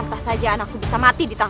terima kasih gusti prabu